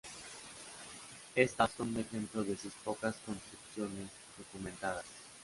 Estas son un ejemplo de sus pocas construcciones documentadas.